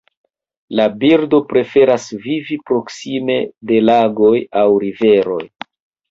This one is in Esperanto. La birdo preferas vivi proksime de lagoj aŭ riveroj.